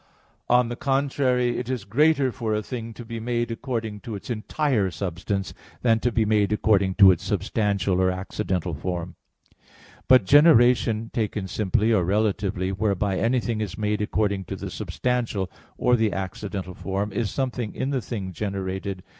On the contrary, It is greater for a thing to be made according to its entire substance, than to be made according to its substantial or accidental form. But generation taken simply, or relatively, whereby anything is made according to the substantial or the accidental form, is something in the thing generated.